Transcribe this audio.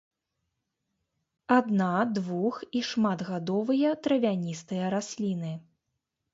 Адна-, двух- і шматгадовыя травяністыя расліны.